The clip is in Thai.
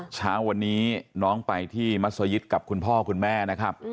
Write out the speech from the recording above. เช้าวันนี้น้องไปที่มัศยิตกับคุณพ่อคุณแม่นะครับ